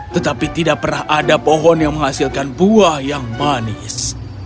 tetapi tidak pernah ada pohon yang menghasilkan buah yang manis